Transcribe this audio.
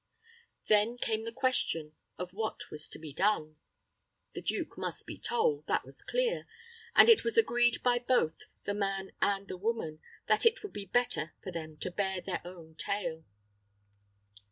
Then came the question of what was to be done. The duke must be told that was clear; and it was agreed by both the man and the woman that it would be better for them to bear their own tale.